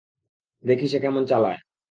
দেখি সে কেমন চালায়।